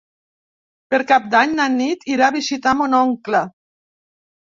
Per Cap d'Any na Nit irà a visitar mon oncle.